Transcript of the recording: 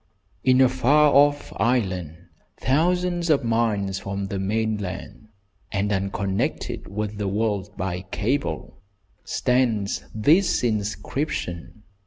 In a far off island, thousands of miles from the mainland, and unconnected with the world by cable, stands this inscription.